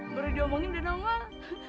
baru diomongin udah nongol